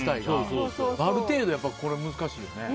ある程度これは難しいよね。